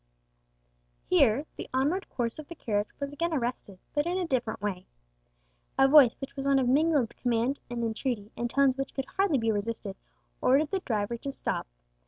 Here the onward course of the carriage was again arrested, but in a different way. A voice, which was one of mingled command and entreaty, in tones which could scarcely be resisted, ordered the driver to stop.